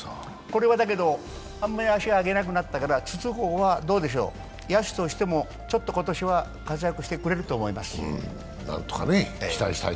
これはあんまり足を上げなくなったから筒香は野手としてもちょっと今年は活躍してくれると思います。